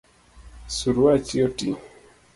Siruacha oti